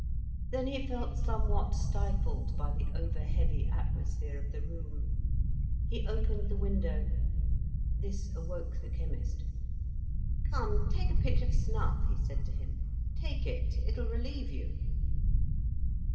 Then he felt somewhat stifled by the over heavy atmosphere of the room; he opened the window; this awoke the chemist. "Come, take a pinch of snuff," he said to him. "Take it; it'll relieve you."